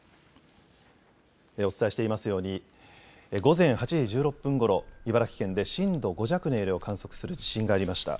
お伝えしていますように午前８時１６分ごろ、茨城県で震度５弱の揺れを観測する地震がありました。